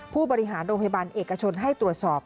ผู้บริหารโรงพยาบาลเอกชนให้ตรวจสอบ